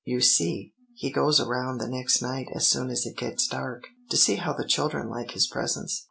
You see, he goes around the next night as soon as it gets dark, to see how the children like his presents.